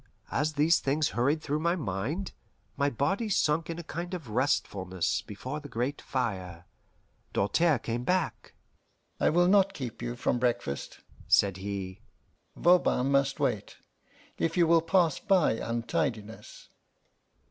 As these things hurried through my mind, my body sunk in a kind of restfulness before the great fire, Doltaire came back. "I will not keep you from breakfast," said he. "Voban must wait, if you will pass by untidiness."